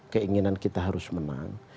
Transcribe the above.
keinginan kita harus menang